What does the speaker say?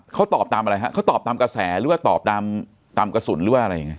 เขาตอบตามอะไรฮะเขาตอบตามกระแสหรือว่าตอบตามตามกระสุนหรือว่าอะไรยังไง